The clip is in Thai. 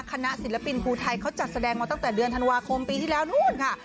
ศิลปินภูไทยเขาจัดแสดงมาตั้งแต่เดือนธันวาคมปีที่แล้วนู่นค่ะ